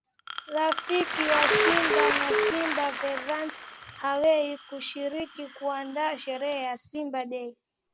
Rafiki wa Simba na Simba Veterans Amewahi kushiriki kuandaa sherehe ya Simba Day